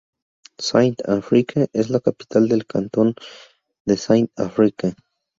Saint-Affrique es la capital del cantón de Saint-Affrique.